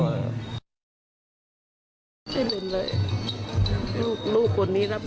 ชิ้นเหนือเดชลูกคนนี้ครับ